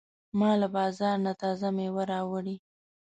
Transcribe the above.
ما له بازار نه تازه مېوې راوړې.